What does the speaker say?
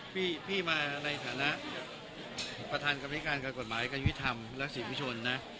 พี่มาในฐานะประธานกรรมธิการการกฎหมายการยุทธรรมและศิวิชนนะ